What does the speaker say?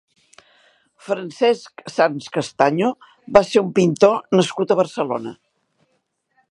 Francesc Sans Castaño va ser un pintor nascut a Barcelona.